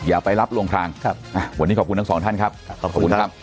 อย่าไปรับวงทางครับอ่าวันนี้ขอบคุณทั้งสองท่านครับครับขอบคุณครับขอบคุณครับ